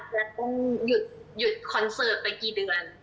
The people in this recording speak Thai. และต้องหยุดคอนเสิร์ตไปกี่เดือน